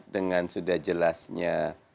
dengan sudah jelasnya